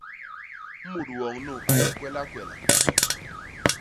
Mut woñ nu a yé kwelakwela.